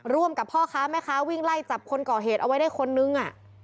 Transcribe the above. ร่วมกับพ่อค้าแม่ค้าวิ่งไล่จับคนก่อเหตุเอาไว้ได้คนนึง